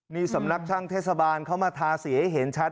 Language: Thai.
นี่สำนักช่างเทศบาลเขามาทาสีให้เห็นชัด